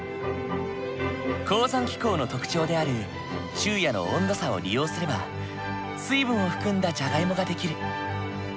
高山気候の特徴である昼夜の温度差を利用すれば水分を含んだじゃがいもが出来る。